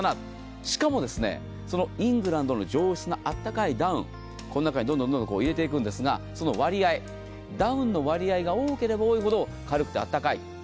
しかも、そのイングランドの上質な温かいダウンをこの中にどんどん、どんどん入れていくんですが、その割合、ダウンの割合が多ければ多いほど軽くてあったかい。